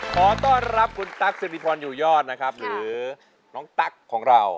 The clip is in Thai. ขอต้อนรับคุณตั๊กสิริพรอยู่ยอดนะครับหรือน้องตั๊กของเรา